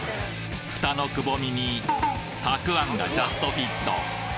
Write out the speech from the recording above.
フタのくぼみにたくあんがジャストフィット！